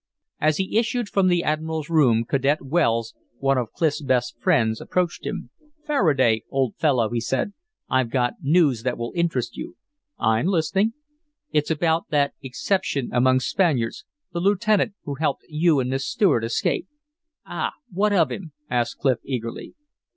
As he issued from the admiral's room Cadet Wells, one of Clif's best friends, approached him. "Faraday, old fellow," he said, "I've got news that will interest you." "I'm listening." "It's about that exception among Spaniards, the lieutenant who helped you and Miss Stuart escape." "Ah! what of him?" asked Clif, eagerly.